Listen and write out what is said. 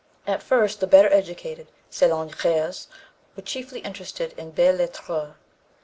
At first the better educated salonières were chiefly interested in belles lettres.